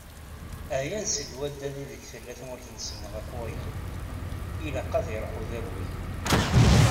Ɛyan seg waddad ideg tella tmurt-nsen ɣef waya, ilaq ad iruḥ udabu-a.